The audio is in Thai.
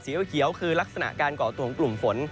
เขียวคือลักษณะการก่อตัวของกลุ่มฝน